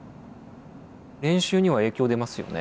練習には影響出ますよね？